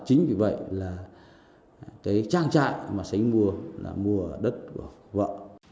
chính vì vậy là cái trang trại mà sánh mua là mua đất của vợ